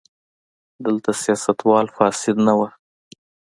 دلته سیاستوال فاسد نه وو.